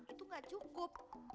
itu gak cukup